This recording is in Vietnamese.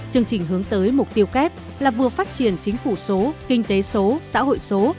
chương trình hướng tới mục tiêu kép là vừa phát triển chính phủ số kinh tế số xã hội số